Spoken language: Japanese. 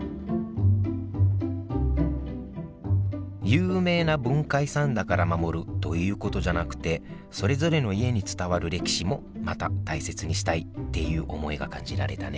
有名な文化遺産だから守るということじゃなくてそれぞれの家に伝わる歴史もまた大切にしたいっていう思いが感じられたね